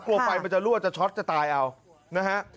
กลัวไฟมันจะรั่วจะช็อตจะตายเอานะฮะ